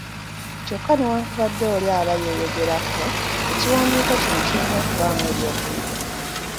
Kyokka newanakubadde oli aba yeeyogerako, ekiwandiiko kino kirina okubaamu eby'okuyiga.